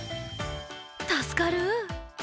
助かる。